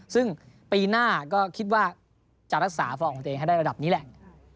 ซึ่งปีหน้าก็คิดว่าจะรักษาฟอร์มของตัวเองให้ได้ระดับนี้แหละ